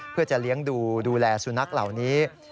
เพื่อจะเลี้ยงดูดูแลสุนัขเหล่านี้